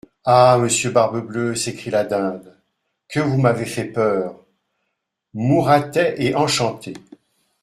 Ah ! monsieur Barbe Bleue, s'écrie la Dinde, que vous m'avez fait peur ! Mouratet est enchanté.